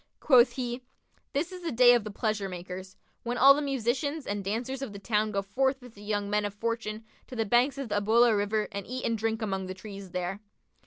Quoth he, 'This is the day of the pleasure makers, when all the musicians and dancers of the town go forth with the young men of fortune to the banks of the Ubullah river[FN#50] and eat and drink among the trees there.'